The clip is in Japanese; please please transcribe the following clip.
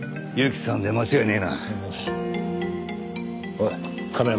おい亀山。